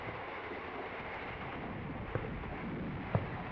তিনি নিজে ও সরলা দাসের ওড়িয়া মহাভারতটি পড়েছিলেন।